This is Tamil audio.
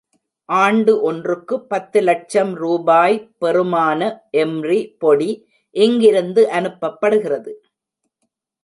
ஆண்டு ஒன்றுக்கு பத்து லட்சம் ரூபாய் பெறுமான எம்ரி பொடி இங்கிருந்து அனுப்பப்படுகிறது.